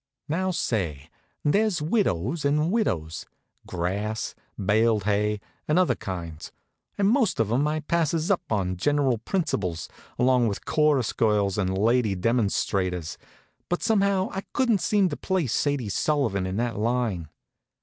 Now say, there's widows and widows grass, baled hay, and other kinds and most of 'em I passes up on general principles, along with chorus girls and lady demonstrators; but somehow I couldn't seem to place Sadie Sullivan in that line.